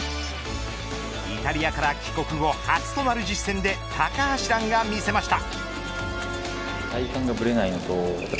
イタリアから帰国後初となる実戦で高橋藍が見せました。